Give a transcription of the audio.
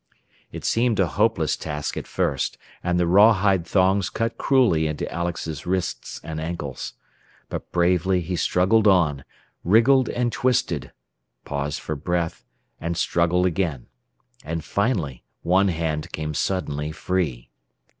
It seemed a hopeless task at first, and the rawhide thongs cut cruelly into Alex's wrists and ankles. But bravely he struggled on, wriggled and twisted, paused for breath, and struggled again. And finally one hand came suddenly free.